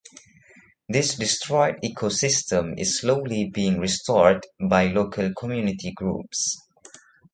This destroyed ecosystem is slowly being restored by local community groups.